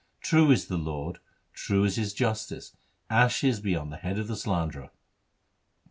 True is the Lord, true is His justice, ashes be on the head of the slanderer !